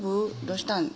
どうしたん？」